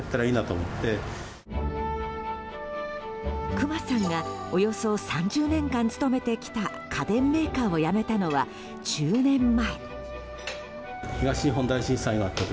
くまさんがおよそ３０年間勤めてきた家電メーカーを辞めたのは１０年前。